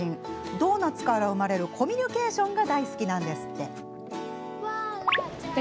ドーナツから生まれるコミュニケーションが大好きなんですって。